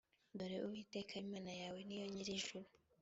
dore uwiteka imana yawe ni yo nyir’ijuru